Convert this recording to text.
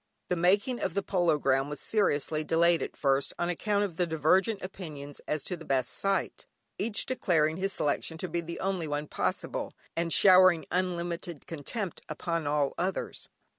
The making of the polo ground was seriously delayed at first on account of the divergent opinions as to the best site, each declaring his selection to be the only one possible, and showering unlimited contempt upon all others.